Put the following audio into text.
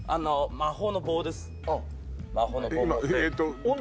魔法の棒です。